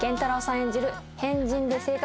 演じる変人で性格